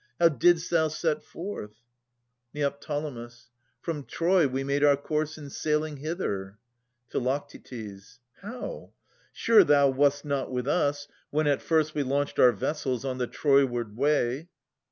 How didst thou set forth ? Ned. From Troy we made our course in saiHng hither. Phi. How ? Sure thou wast not with us, when at first We launched our vessels on the Troyward way